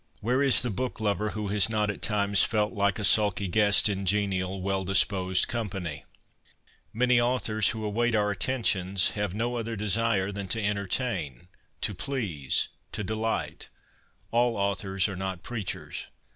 Where is the book lover who has not at times felt like a sulky guest in genial, well disposed company ? Many authors who await our attentions have no other desire than to entertain, to please, to delight, ' All authors are not preachers.'